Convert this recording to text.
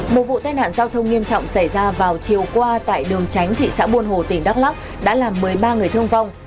một vụ tai nạn giao thông nghiêm trọng xảy ra vào chiều qua tại đường tránh thị xã buôn hồ tỉnh đắk lắc đã làm một mươi ba người thương vong